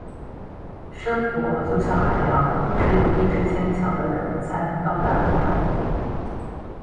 生活就像海洋，只有意志坚强的人，才能到达彼岸。